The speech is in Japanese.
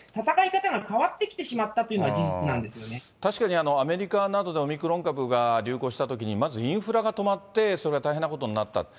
闘い方が変わってきてしまったと確かに、アメリカなどでもオミクロン株が流行したときに、まずインフラが止まって、それが大変なことになった。